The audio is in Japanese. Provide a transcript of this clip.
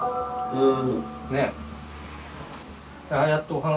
うん。